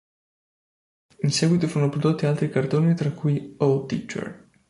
In seguito furono prodotti altri cartoni tra cui "Oh, teacher!